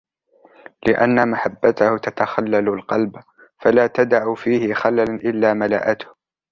لِأَنَّ مَحَبَّتَهُ تَتَخَلَّلُ الْقَلْبَ فَلَا تَدَعُ فِيهِ خَلَلًا إلَّا مَلَأَتْهُ